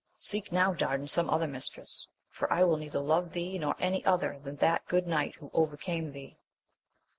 Seek now, Dardan, some other mistress, for I will neither love thee nor any other than that good knight who over came thee